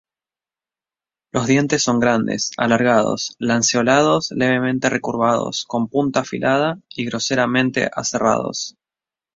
Los dientes son grandes, alargados, lanceolados, levemente recurvados, con punta afilada y groseramente aserrados.